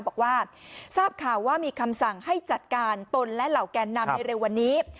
บอกว่าทราบข่าวว่ามีคำสั่งให้จัดการตนและเหล่าแกนนำในเร็ววันนี้